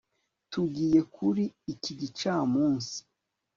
Tugiye kuri iki gicamunsi